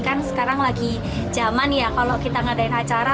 kan sekarang lagi zaman ya kalau kita ngadain acara